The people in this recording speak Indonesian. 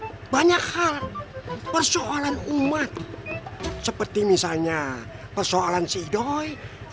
mendiskusikan banyak hal persoalan umat seperti misalnya persoalan sidul yang